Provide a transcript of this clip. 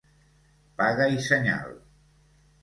Paga i senyal.